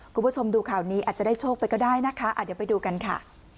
คุณผู้ชมดูข่าวนี้อาจจะได้โชคไปก็ได้นะคะเดี๋ยวไปดูกันค่ะ